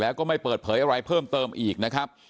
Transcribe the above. แล้วก็ไม่เปิดเผยอะไรเพิ่มเติมอีกนะครับ